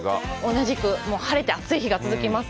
同じく、晴れて暑い日が続きます。